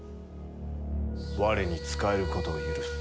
我に仕えることを許す。